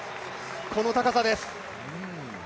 この高さです。